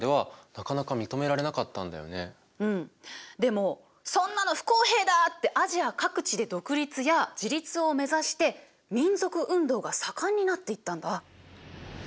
でも「そんなの不公平だ！」ってアジア各地で独立や自立を目指して民族運動が盛んになっていったんだ。